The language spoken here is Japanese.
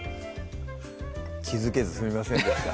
気付けずすみませんでした